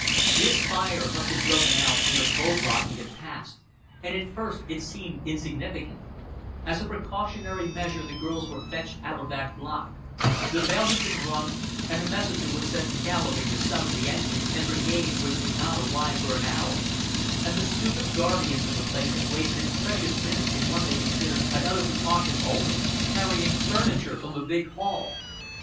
This fire must have broken out in the low block he had passed, and at first it seemed insignificant; as a precautionary measure the girls were fetched out of that block; the bell had been rung, and a messenger was sent galloping to summon the engine and brigade which would not arrive for an hour; and the stupid guardians of the place had wasted precious minutes in what they considered another precaution only, carrying furniture from the big hall.